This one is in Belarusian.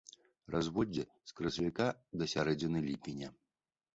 Разводдзе з красавіка да сярэдзіны ліпеня.